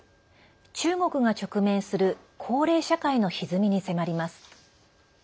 中国が直面する高齢社会のひずみに迫ります。